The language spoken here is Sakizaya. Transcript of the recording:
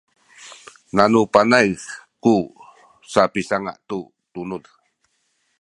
nanu panay ku sapisanga’ tu tunuz